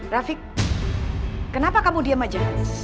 rafiq kenapa kamu diem aja